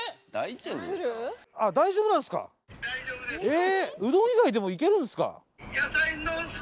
え！？